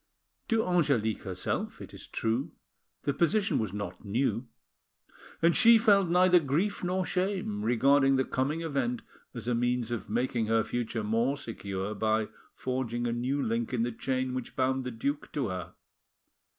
To Angelique herself, it is true, the position was not new, and she felt neither grief nor shame, regarding the coming event as a means of making her future more secure by forging a new link in the chain which bound the duke to her.